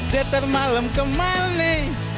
detar malam kemana